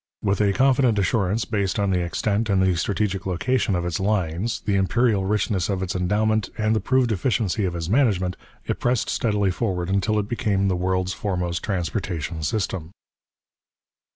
With a confident assurance based on the extent and the strategic location of its lines, the imperial richness of its endowment, and the proved efficiency of its management, it pressed steadily forward until it became the world's foremost transportation system.